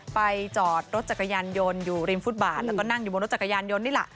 ไปจอดรถจักรยานยนต์อยู่ริมฟุตบาทแล้วก็นั่งอยู่บนรถจักรยานยนต์นี่แหละ